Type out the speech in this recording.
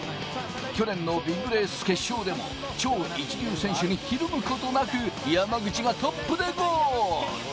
去年のビッグレース決勝でも超一流選手にひるむことなく、山口がトップでゴール。